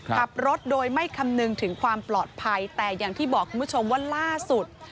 ขับรถโดยไม่คำนึงถึงความปลอดภัยแต่อย่างที่บอกคุณผู้ชมว่าล่าสุด